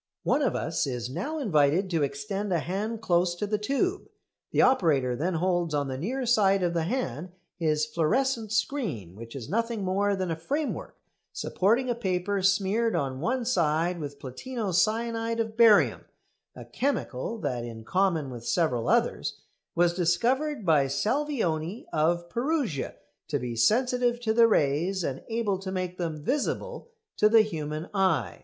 One of us is now invited to extend a hand close to the tube. The operator then holds on the near side of the hand his fluorescent screen, which is nothing more than a framework supporting a paper smeared on one side with platino cyanide of barium, a chemical that, in common with several others, was discovered by Salvioni of Perugia to be sensitive to the rays and able to make them visible to the human eye.